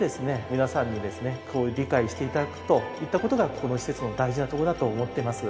皆さんにですね理解して頂くといった事がこの施設の大事なとこだと思ってます。